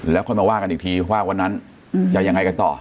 แล้วค่อยมาว่ากันอีกทีว่าวันนั้นจะยังไงกันต่อ